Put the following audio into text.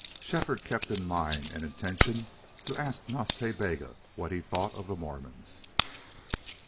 Shefford kept in mind an intention to ask Nas Ta Bega what he thought of the Mormons.